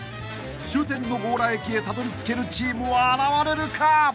［終点の強羅駅へたどりつけるチームは現れるか！？］